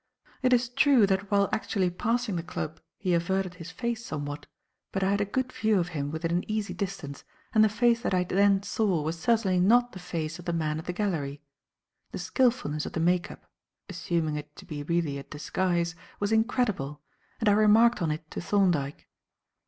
It is true, that while actually passing the club, he averted his face somewhat; but I had a good view of him within an easy distance, and the face that I then saw was certainly not the face of the man at the gallery. The skilfulness of the make up assuming it to be really a disguise was incredible, and I remarked on it to Thorndyke.